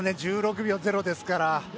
１６秒０ですから。